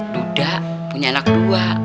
dudak punya anak dua